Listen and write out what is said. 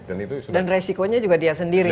dan resikonya juga dia sendiri